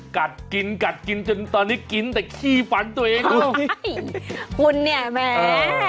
กัดกินจนตอนนี้กินแต่ขี้ฟันตัวเองคุณเนี่ยแม่